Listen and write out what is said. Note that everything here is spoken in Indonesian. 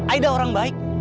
aida orang baik